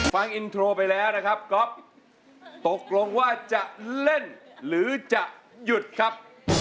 ฟังอินโทรไปแล้วนะครับก๊อฟตกลงว่าจะเล่นหรือจะหยุดครับ